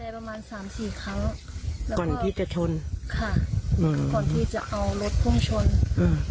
ประมาณสามสี่ครั้งก่อนที่จะชนค่ะอืมก่อนที่จะเอารถพุ่งชนอืม